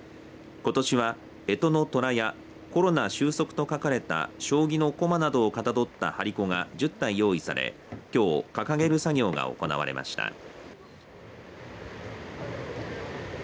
ことしは、えとのとらやコロナ終息と書かれた将棋のこまなどをかたどった張り子が１０体用意されきょう掲げる作業が行われました。